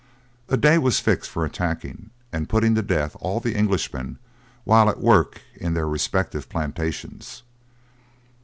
A day was fixed for attacking and putting to death all the Englishmen while at work in their respective plantations.